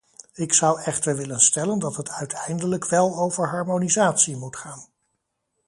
Ik zou echter willen stellen dat het uiteindelijk wel over harmonisatie moet gaan.